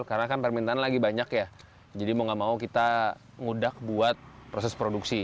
karena kan permintaan lagi banyak ya jadi mau gak mau kita ngudak buat proses produksi